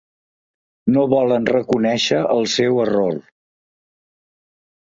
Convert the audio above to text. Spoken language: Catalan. No volen reconèixer el seu error.